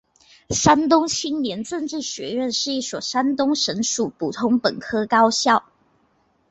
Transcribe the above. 山东青年政治学院是一所山东省属普通本科高校。